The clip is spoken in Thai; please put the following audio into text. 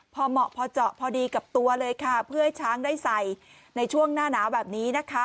พอเหมาะพอเจาะพอดีกับตัวเลยค่ะเพื่อให้ช้างได้ใส่ในช่วงหน้าหนาวแบบนี้นะคะ